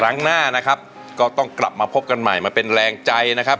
ครั้งหน้านะครับก็ต้องกลับมาพบกันใหม่มาเป็นแรงใจนะครับ